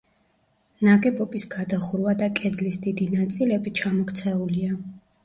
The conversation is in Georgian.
ნაგებობის გადახურვა და კედლის დიდი ნაწილები ჩამოქცეულია.